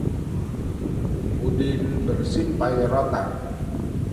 Udin bersimpai rotan